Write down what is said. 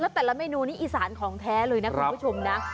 แต่ละเมนูนี้อีสานของแท้เลยนะคุณผู้ชมนะ